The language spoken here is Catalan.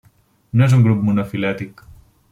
No és un grup monofilètic.